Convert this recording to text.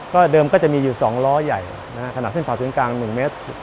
ก็เดิมก็จะมีอยู่สองล้อใหญ่นะครับขณะเส้นผ่าศืนกลางหนึ่งเมตร